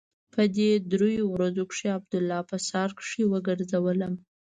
په دې درېو ورځو کښې عبدالله په ښار کښې وګرځولم.